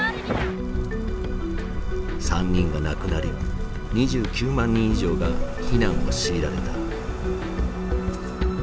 ３人が亡くなり２９万人以上が避難を強いられた。